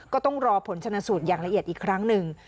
ก็ต้องรอผลชนะสูตรอย่างละเอียดอีกครั้งหนึ่ง